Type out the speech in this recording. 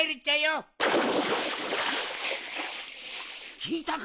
きいたか？